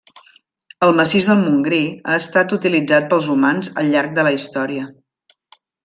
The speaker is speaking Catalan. El massís del Montgrí ha estat utilitzat pels humans al llarg de la història.